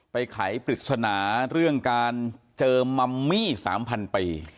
ไขปริศนาเรื่องการเจอมัมมี่๓๐๐ปี